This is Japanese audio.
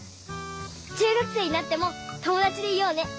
中学生になっても友だちでいようね。